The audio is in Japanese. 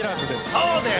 そうです。